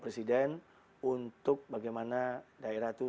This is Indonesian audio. presiden untuk bagaimana daerah itu